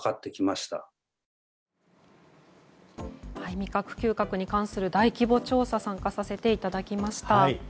味覚、嗅覚に関する大規模調査に参加させていただきました。